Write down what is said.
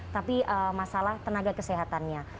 tapi masalah tenaga kesehatannya